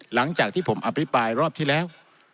หลังจากที่ผมอภิปรายรอบที่แล้ว